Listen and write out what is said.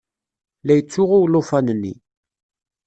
La yettsuɣu ulufan-nni.